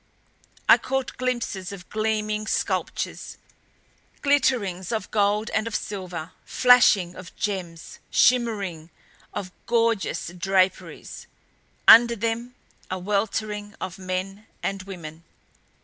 I caught glimpses of gleaming sculptures, glitterings of gold and of silver, flashing of gems, shimmering of gorgeous draperies under them a weltering of men and women.